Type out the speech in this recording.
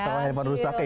atau lah yang merusak ya